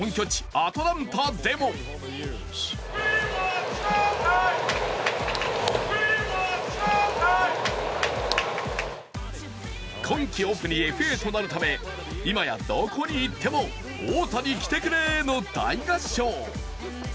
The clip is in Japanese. アトランタでも今季オフにＦＡとなるため、今や、どこに行っても「大谷、来てくれ！」の大合唱。